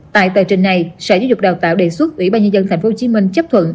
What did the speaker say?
tại tờ trình này sở giáo dục đào tạo đề xuất ủy ban nhân dân tp hcm chấp thuận